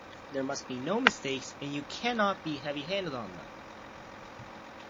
There must be no mistakes and you cannot be heavy-handed on them.